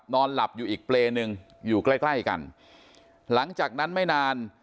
นอนหลับอยู่อีกเปรย์หนึ่งอยู่ใกล้ใกล้กันหลังจากนั้นไม่นาน